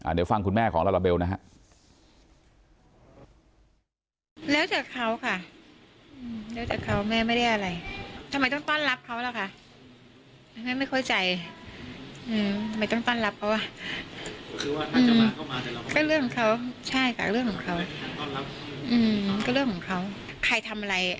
เดี๋ยวฟังคุณแม่ของลาลาเบลนะฮะ